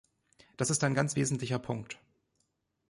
Das ist ein ganz wesentlicher Punkt.